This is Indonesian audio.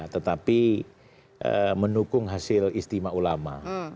tetapi menukung hasil istimewa ulama